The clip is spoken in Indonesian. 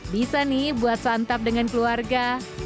bisa nih buat santap dengan keluarga